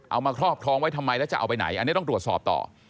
มาครอบครองไว้ทำไมแล้วจะเอาไปไหนอันนี้ต้องตรวจสอบต่อ